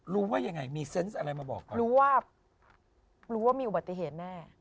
รู้ว่ามีอุบัติเหตุแน่